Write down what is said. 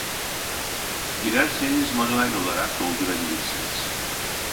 Dilerseniz manuel olarak doldurabilirsiniz